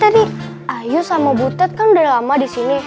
sedangkan lilis sebagai murid baru harus ngajar banyak pelajaran yang ketinggalan